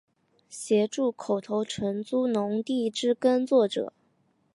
协助口头承租农地之耕作者